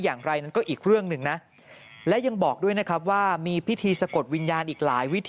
หลังจากพบศพผู้หญิงปริศนาตายตรงนี้ครับ